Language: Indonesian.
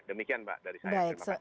demikian mbak dari saya terima kasih